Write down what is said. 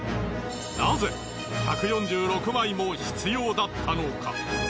なぜ１４６枚も必要だったのか。